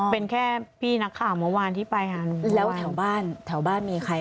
เป็นแค่พี่นักข่าวเมื่อวานที่ไป